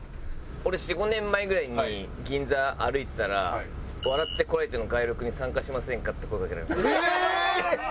俺４５年前ぐらいに銀座歩いてたら「『笑ってコラえて！』の街録に参加しませんか？」って声かけられました。